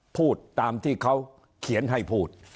พูดตามที่เขาเขียนให้พูด